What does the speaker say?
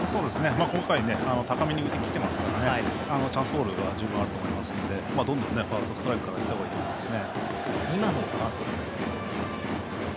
今回高めに浮いてきていますからチャンスボールは十分だと思いますのでどんどんファーストストライクからいった方がいいと思います。